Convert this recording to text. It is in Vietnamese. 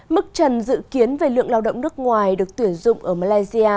mức trần dự kiến về lượng lao động nước ngoài được tuyển dụng ở malaysia